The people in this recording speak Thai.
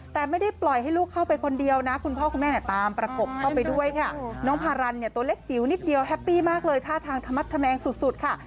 ตามประกบเข้าไปด้วยค่ะน้องพารัณตัวเล็กจี๋วนิดเดียวแฮปปี้มากเลยฆ่าทางธมดแฮมสุดค่ะ